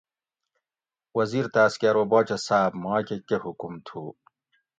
وزیر تاۤس کہ ارو باچہ صاۤب ماکہ کہۤ حکم تھُو